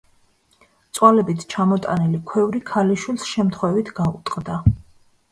წვალებით ჩამოტანილი ქვევრი, ქალიშვილს შემთხვევით გაუტყდა.